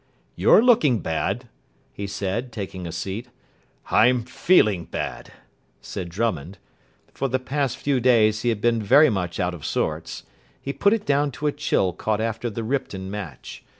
"You're looking bad," he said, taking a seat. "I'm feeling bad," said Drummond. For the past few days he had been very much out of sorts. He put it down to a chill caught after the Ripton match.